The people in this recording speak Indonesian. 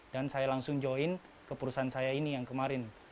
dan saya langsung join ke perusahaan saya ini yang kemarin